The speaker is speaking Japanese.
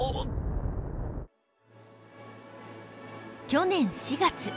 去年４月。